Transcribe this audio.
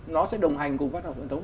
nó sẽ đồng hành cùng phát học truyền thống